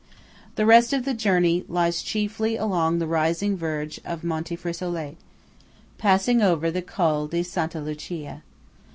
The rest of the journey lies chiefly along the rising verge of Monte Frisolet, passing over the Col di Santa Lucia.